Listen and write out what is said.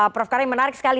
prof karim menarik sekali